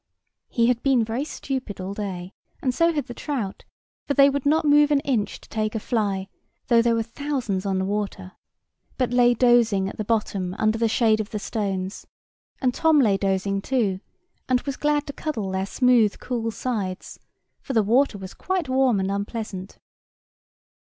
He had been very stupid all day, and so had the trout; for they would not move an inch to take a fly, though there were thousands on the water, but lay dozing at the bottom under the shade of the stones; and Tom lay dozing too, and was glad to cuddle their smooth cool sides, for the water was quite warm and unpleasant.